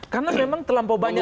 karena memang terlampau banyak